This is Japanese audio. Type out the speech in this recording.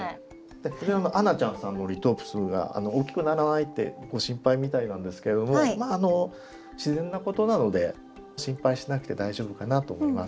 あなちゃんさんのリトープスが大きくならないってご心配みたいなんですけどもあの自然なことなので心配しなくて大丈夫かなと思います。